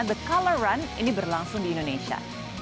the color run ini berlangsung di indonesia